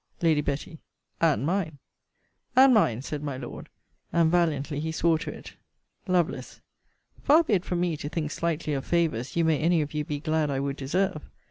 Lady Betty. And mine. And mine, said my Lord: and valiantly he swore to it. Lovel. Far be it from me to think slightly of favours you may any of you be glad I would deserve!